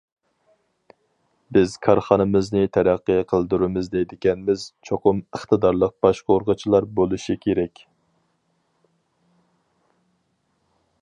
بىز كارخانىمىزنى تەرەققىي قىلدۇرىمىز دەيدىكەنمىز، چوقۇم ئىقتىدارلىق باشقۇرغۇچىلار بولۇشى كېرەك.